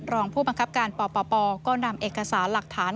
รองผู้บังคับการปปก็นำเอกสารหลักฐาน